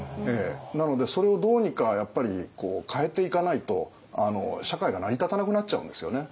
なのでそれをどうにかやっぱり変えていかないと社会が成り立たなくなっちゃうんですよね。